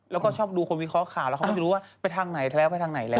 แล้วก็ชอบดูวิเคราะห์ข่าวแล้วเขายังไม่รู้ยังไปทางไหนเล้ว